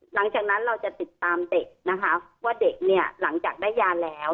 หลังจากนั้นติดตามเด็กว่าเด็กหลังจากได้ยาแล้ว